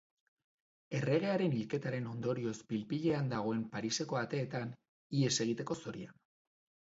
Erregearen hilketaren ondorioz pil-pilean dagoen Pariseko ateetan, ihes egiteko zorian.